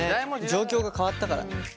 状況が変わったから。